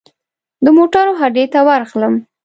د موټرو هډې ته ورغلم.